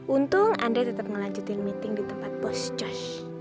untung andre tetap ngelanjutin meeting di tempat bos josh